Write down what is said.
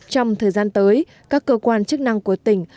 trong thời gian tới các cơ quan chức năng của tỉnh